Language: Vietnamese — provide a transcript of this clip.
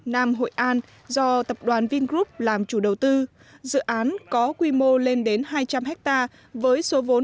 nam hội an do tập đoàn vingroup làm chủ đầu tư dự án có quy mô lên đến hai trăm linh ha với số vốn